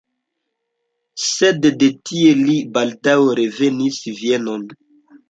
Sed de tie li baldaŭ revenis Vienon.